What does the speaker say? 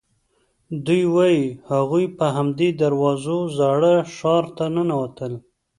دوی وایي هغوی په همدې دروازو زاړه ښار ته ننوتل.